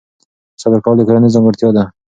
صبر کول د کورنۍ ځانګړتیا ده.